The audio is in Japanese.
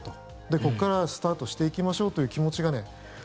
で、ここからスタートしていきましょうという気持ちが。